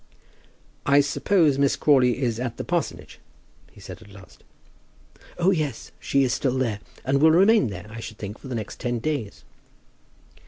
"I suppose Miss Crawley is at the parsonage?" he said at last. "Oh, yes; she is still there, and will remain there I should think for the next ten days."